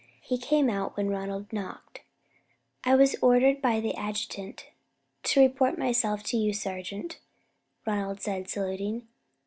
He came out when Ronald knocked. "I was ordered by the adjutant to report myself to you, sergeant," Ronald said, saluting.